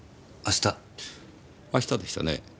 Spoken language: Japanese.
明日でしたね？